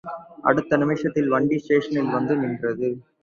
அடுத்த நிமிஷத்தில் வண்டி ஸ்டேஷனில் வந்து நின்றது.